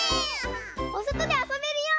おそとであそべるよ！